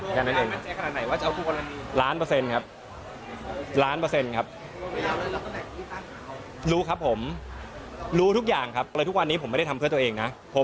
ครับงานนั้นเอง